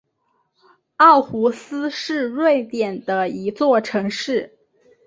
奥胡斯是瑞典的一座城市。